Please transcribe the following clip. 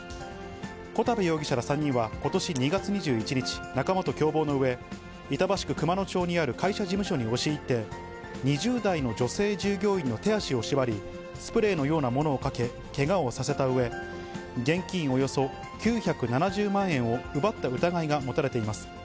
小田部容疑者ら３人は、ことし２月２１日、仲間と共謀のうえ、板橋区熊野町にある会社事務所に押し入って、２０代の女性従業員の手足を縛り、スプレーのようなものをかけ、けがをさせたうえ、現金およそ９７０万円を奪った疑いが持たれています。